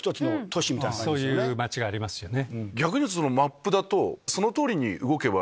そういう町がありますよね。